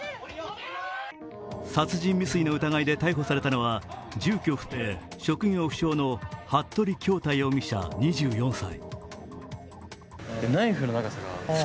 殺人未遂の疑いで逮捕されたのは住居不定・職業不詳の服部恭太容疑者２４歳。